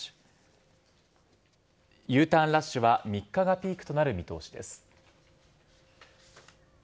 Ｕターンラッシュは３日がピークとなる見通しです。